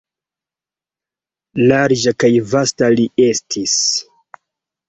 Larĝa kaj vasta li estis!